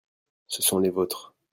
ce sont les vôtres.